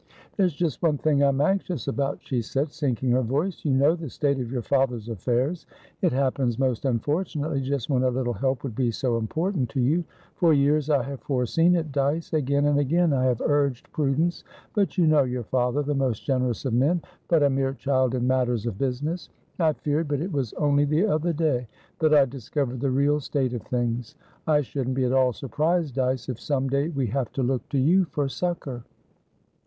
"There's just one thing I'm anxious about," she said, sinking her voice. "You know the state of your father's affairs. It happens most unfortunately, just when a little help would be so important to you. For years I have foreseen it, Dyce. Again and again I have urged prudence; but you know your father, the most generous of men, but a mere child in matters of business. I feared; but it was only the other day that I discovered the real state of things. I shouldn't be at all surprised, Dyce, if some day we have to look to you for succour."